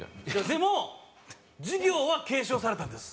でも事業は継承されたんです。